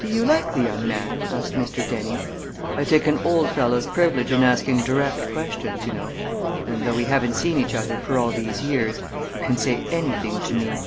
"Do you like the young man?" asked Mr. Dennie. "I take an old fellow's privilege in asking direct questions, you know. And though we haven't seen each other for all these years you can say anything to me."